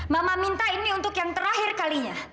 mama minta ini untuk yang terakhir kalinya